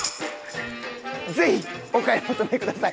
ぜひお買い求めください。